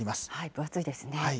分厚いですね。